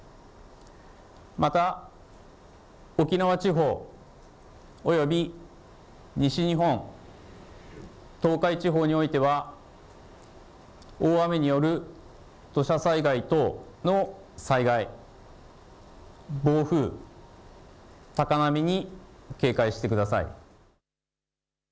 また、沖縄地方および西日本、東海地方においては大雨による土砂災害等の災害、暴風、高波に警戒してください。